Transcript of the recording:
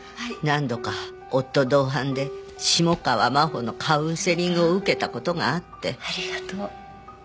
何度か夫同伴で下川真帆のカウンセリングを受けた事があって。